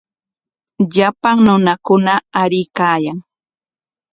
Llapan runakuna aruykaayan.